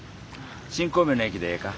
新神戸の駅でええか？